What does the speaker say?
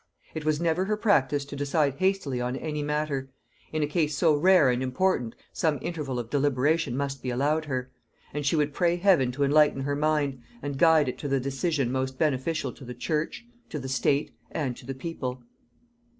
It was never her practice to decide hastily on any matter; in a case so rare and important some interval of deliberation must be allowed her; and she would pray Heaven to enlighten her mind, and guide it to the decision most beneficial to the church, to the state, and to the people.